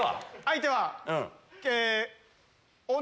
相手はえ。